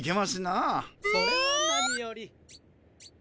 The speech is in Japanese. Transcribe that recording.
それはなにより！